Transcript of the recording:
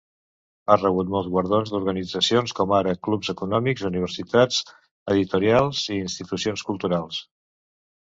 Ha rebut molts guardons d'organitzacions com ara clubs econòmics, universitats, editorials i institucions culturals.